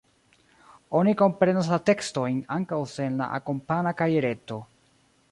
Oni komprenas la tekstojn ankaŭ sen la akompana kajereto.